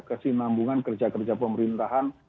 kesinambungan kerja kerja pemerintahan